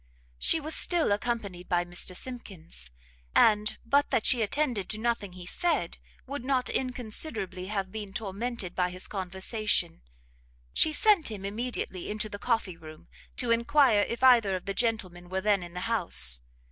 She was still accompanied by Mr Simkins, and, but that she attended to nothing he said, would not inconsiderably have been tormented by his conversation. She sent him immediately into the coffee room, to enquire if either of the gentlemen were then in the house.